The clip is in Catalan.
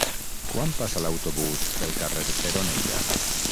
Quan passa l'autobús pel carrer Peronella?